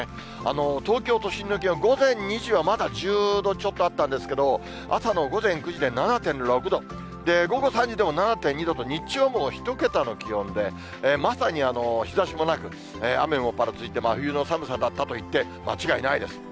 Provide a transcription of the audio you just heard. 東京都心の気温、午前２時はまだ１０度ちょっとあったんですけど、朝の午前９時で７．６度、午後３時でも７．２度と、日中はもう１桁の気温で、まさに日ざしもなく、雨もぱらついて真冬の寒さだったといって間違いないです。